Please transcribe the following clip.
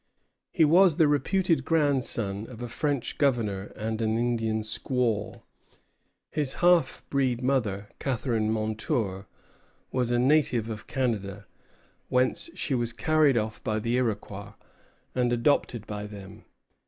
He was the reputed grandson of a French governor and an Indian squaw. His half breed mother, Catharine Montour, was a native of Canada, whence she was carried off by the Iroquois, and adopted by them.